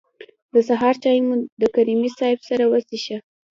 د سهار چای مو د کریمي صیب سره وڅښه.